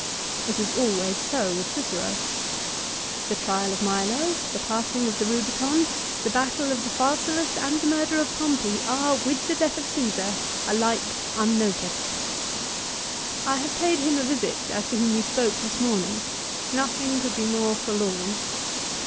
It is always so with Cicero. The trial of Milo, the passing of the Eubicon, the battle of the Pharsalus, and the .murder of Pompey, are, with the death of Caesar, alike unnoticed. " I have paid him a visit as to whom we spoke this morning. Nothing could be more forlorn."